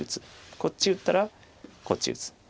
こっち打ったらこっち打つ。